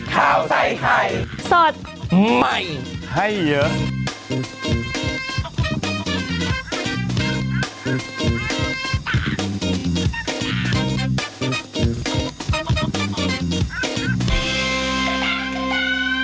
ข้าวใส่ไข่สดใหม่ให้เยอะ